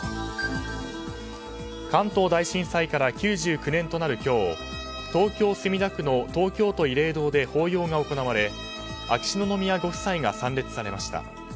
関東大震災から９９年となる今日東京・墨田区の東京都慰霊堂で法要が行われ秋篠宮ご夫妻が参列されました。